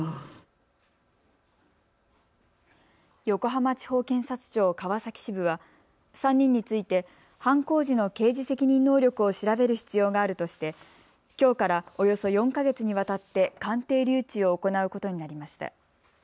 横浜地方検察庁川崎支部は３人について犯行時の刑事責任能力を調べる必要があるとしてきょうから、およそ４か月にわたって鑑定留置を行うことになりました。